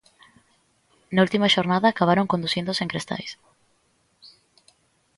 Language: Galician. Na última xornada acabaron conducindo sen cristais.